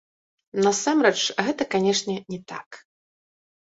Насамрэч, гэта, канечне, не так.